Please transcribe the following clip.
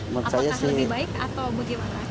apakah lebih baik atau bagaimana